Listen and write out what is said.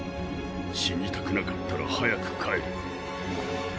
死にたくなかったら早く帰れ。